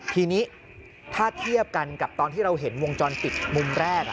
ทีนี้ถ้าเทียบกันกับตอนที่เราเห็นวงจรปิดมุมแรก